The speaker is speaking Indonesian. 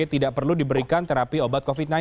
tidak perlu diberikan terapi obat covid sembilan belas